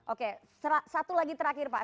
oke satu lagi terakhir pak